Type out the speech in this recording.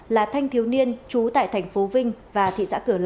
là thanh thiếu niên trú tại thành phố vinh